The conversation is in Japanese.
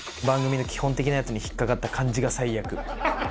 番組の基本的なやつに引っ掛かった感じが最悪。